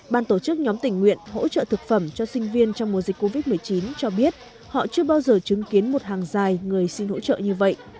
ban tổ chức nhóm tỉnh nguyện hỗ trợ thực phẩm cho sinh viên trong mùa dịch covid một mươi chín cho biết họ chưa bao giờ chứng kiến một hàng dài người xin hỗ trợ như vậy